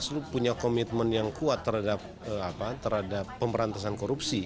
bawaslu punya komitmen yang kuat terhadap pemberantasan korupsi